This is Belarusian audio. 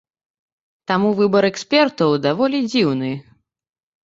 Таму выбар экспертаў даволі дзіўны.